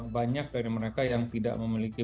banyak dari mereka yang tidak memiliki